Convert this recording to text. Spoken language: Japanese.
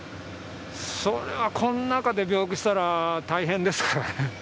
この中で病気したら大変ですから。